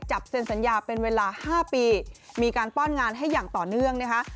เซ็นสัญญาเป็นเวลา๕ปีมีการป้อนงานให้อย่างต่อเนื่องนะคะ